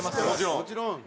もちろん！